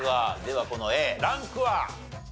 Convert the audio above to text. ではこのＡランクは？